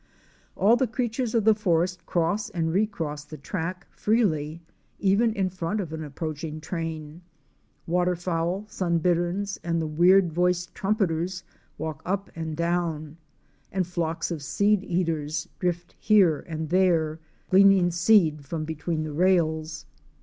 All the creatures of the forest cross and recross the track freely, even in front of an approaching train. Water fowl, Sun bitterns * and the weird voiced Trumpeters* walk up and down, and flocks of Seedeaters *' drift here and there, gleaning seed from between the rails.